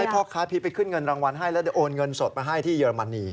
พ่อค้าพีชไปขึ้นเงินรางวัลให้แล้วเดี๋ยวโอนเงินสดมาให้ที่เยอรมนี